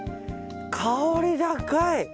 香り高い。